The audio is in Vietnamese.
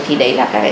thì đấy là